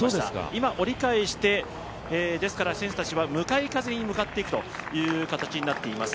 今折りかえして選手たちは向かい風に向かっていくという感じになります。